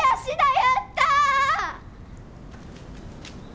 やったあ！